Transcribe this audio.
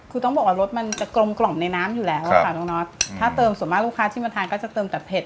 คือต้องบอกว่ารสมันจะกลมกล่อมในน้ำอยู่แล้วอะค่ะน้องน็อตถ้าเติมส่วนมากลูกค้าที่มาทานก็จะเติมแต่เผ็ด